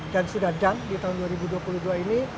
dan sudah done di tahun dua ribu dua puluh dua ini